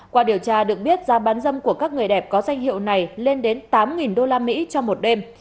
qua điều tra được biết giá bán dâm của các người đẹp có danh hiệu này lên đến tám usd trong một đêm